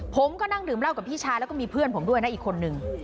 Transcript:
ผมก็นั่งดื่มเหล้ากับพี่ชายแล้วก็มีเพื่อนผมด้วยนะอีกคนนึง